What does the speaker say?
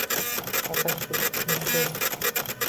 Faqat shu uch so’z.